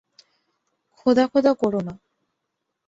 খোদা খোদা কোরোনা।